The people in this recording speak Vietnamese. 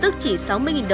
còn với các loại nhân đỗ